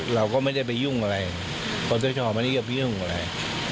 เราก็ไม่ได้ไปยุ่งอะไรคนต้องชอบมันก็ไปยุ่งอะไร